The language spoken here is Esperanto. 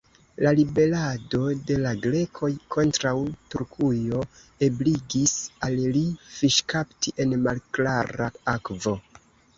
La ribelado de la Grekoj kontraŭ Turkujo ebligis al li fiŝkapti en malklara akvo.